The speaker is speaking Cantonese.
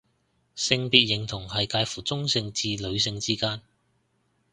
性別認同係界乎中性至女性之間